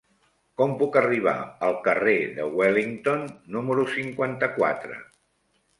Com puc arribar al carrer de Wellington número cinquanta-quatre?